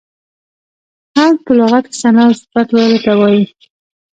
حمد په لغت کې ثنا او صفت ویلو ته وایي.